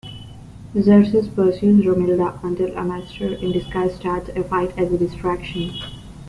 Xerxes pursues Romilda until Amastre-in-disguise starts a fight as a distraction.